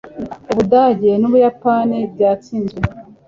ubudage n'ubuyapani byatsinzwe